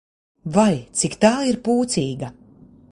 Vai, cik tā ir pūcīga!